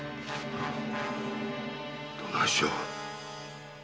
どないしょ。